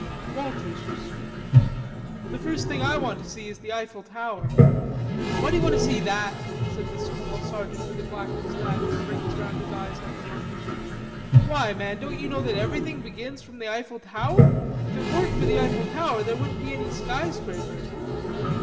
Walters was speaking: "The first thing I want to see is the Eiffel Tower." "Why d'you want to see that?" said the small sergeant with a black mustache and rings round his eyes like a monkey. "Why, man, don't you know that everything begins from the Eiffel Tower? If it weren't for the Eiffel Tower, there wouldn't be any sky scrapers...."